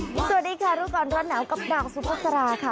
สวัสดีค่ะรู้ก่อนร้อนหนาวกับดาวสุภาษาราค่ะ